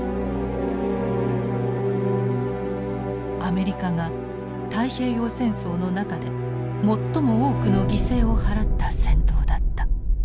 アメリカが太平洋戦争の中で最も多くの犠牲を払った戦闘だった。